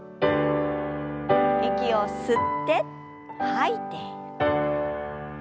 息を吸って吐いて。